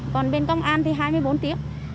còn bên công an thì hai mươi bốn tiếng